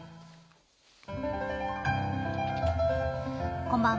こんばんは。